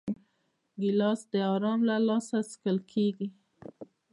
ګیلاس د آرام له لاسه څښل کېږي.